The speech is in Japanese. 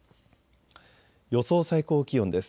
予想最高気温です。